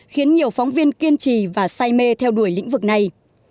khiến nhiều phóng viên kiên trì và say mê theo đuổi lĩnh vực này